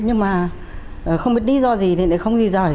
nhưng mà không biết lý do gì thì nó không gì rời